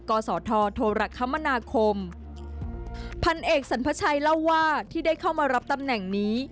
กศธโทรคมนาคมพันเอกสรรพชัยเล่าว่าที่ได้เข้ามารับตำแหน่งนี้